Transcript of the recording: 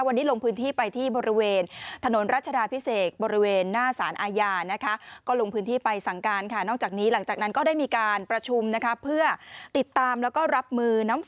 วันนี้ลงพื้นที่ไปที่บริเวณ